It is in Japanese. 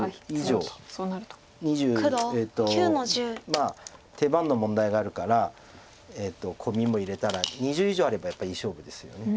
まあ手番の問題があるからコミも入れたら２０以上あればやっぱりいい勝負ですよね。